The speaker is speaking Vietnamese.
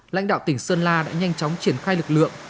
lãnh đạo tỉnh sơn la đã nhanh chóng triển khai lực lượng